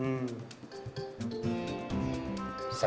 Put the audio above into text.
mungkin dia punya jahatan itu